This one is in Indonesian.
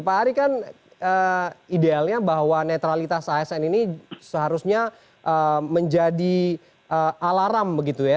pak ari kan idealnya bahwa netralitas asn ini seharusnya menjadi alarm begitu ya